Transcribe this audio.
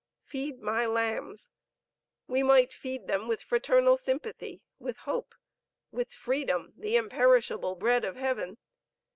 'Feed my lambs,' We might feed them with fraternal sympathy, with hope, with freedom, the imperishable bread of Heaven.